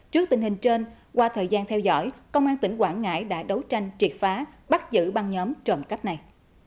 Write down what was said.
trước tình hình trên qua thời gian theo dõi công an tỉnh quảng ngãi đã đấu tranh triệt phá bắt giữ băng nhóm trộm cắp này